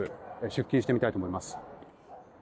出勤してみたいと思います。